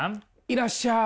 いらっしゃい。